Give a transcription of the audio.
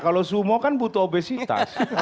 kalau sumo kan butuh obesitas